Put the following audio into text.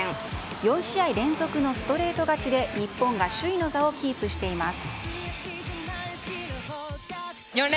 ４試合連続のストレート勝ちで日本が首位の座をキープしています。